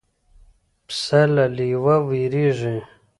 پسه له لېوه وېرېږي.